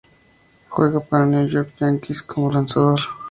Juega para New York Yankees como lanzador.